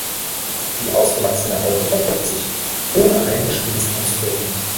Die ausgewachsene Raupe verpuppt sich, ohne ein Gespinst anzufertigen.